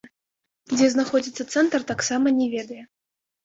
Дзе знаходзіцца цэнтр, таксама не ведае.